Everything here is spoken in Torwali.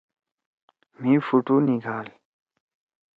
مھی پُھوٹُو نِگھال۔